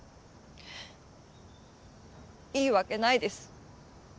いいわけないです。